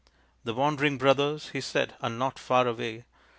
" The wandering brothers, " he said, " are not far away.